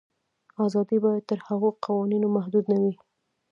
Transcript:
آزادي باید تر هغو قوانینو محدوده نه وي.